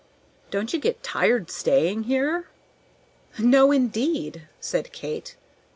"Don't you get tired staying here?" "No, indeed!" said Kate.